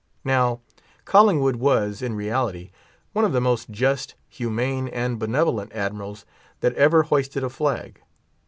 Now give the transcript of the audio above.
Now Collingood was, in reality, one of the most just, humane, and benevolent admirals that ever hoisted a flag.